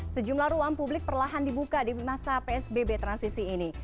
sejumlah ruang publik perlahan dibuka di masa psbb transisi ini